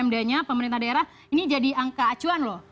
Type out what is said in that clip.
pmd pmdnya pemerintah daerah ini jadi angka acuan loh